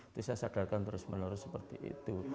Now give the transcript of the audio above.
itu saya sadarkan terus menerus seperti itu